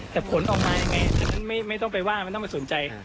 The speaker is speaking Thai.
แต่ผลออกมายังไงอันนั้นไม่ต้องไปว่าไม่ต้องไปสนใจ